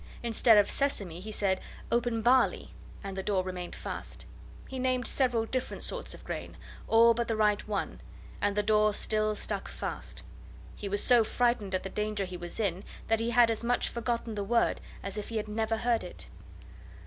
Instead of "Sesame," he said: "Open, Barley!" and the door remained fast. He named several different sorts of grain, all but the right one, and the door still stuck fast. He was so frightened at the danger he was in that he had as much forgotten the word as if he had never heard it.